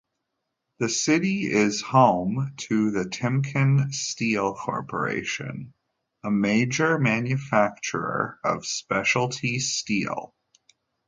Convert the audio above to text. The city is home to the TimkenSteel Corporation, a major manufacturer of specialty steel.